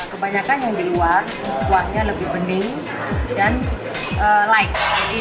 kebanyakan yang di luar kuahnya lebih bening dan light